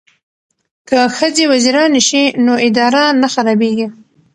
که ښځې وزیرانې شي نو اداره نه خرابیږي.